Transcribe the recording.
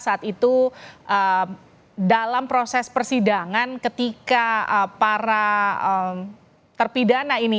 saat itu dalam proses persidangan ketika para terpidana ini